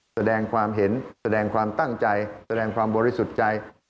แสดงความเห็นแสดงความตั้งใจแสดงความบริสุทธิ์ใจ